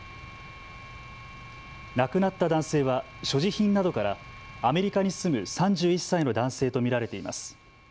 亡くなった男性は所持品などからアメリカに住む３１歳の男性と見られています。